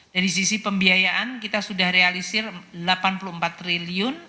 dari sisi pembiayaan kita sudah realisir rp delapan puluh empat triliun